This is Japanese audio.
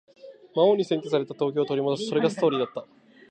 魔王に占拠された東京を取り戻す。それがストーリーだった。